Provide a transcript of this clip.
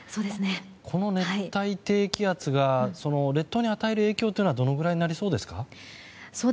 この熱帯低気圧が列島に与える影響というのはどのくらいになりそうですか？